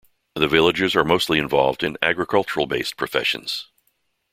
The villagers are mostly invlolved in agricultural-based professions.